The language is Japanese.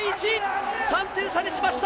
３点差にしました。